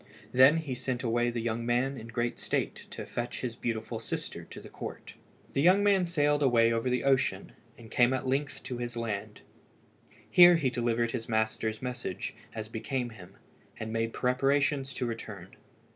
Then he sent away the young man in great state to fetch his beautiful sister to the court. The young man sailed away over the ocean, and came at length to his land. Here he delivered his master's message, as became him, and made preparations to return.